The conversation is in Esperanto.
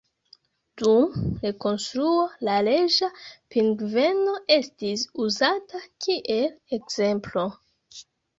Dum rekonstruo la reĝa pingveno estis uzata kiel ekzemplo.